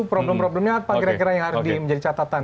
problem problemnya apa kira kira yang harus menjadi catatan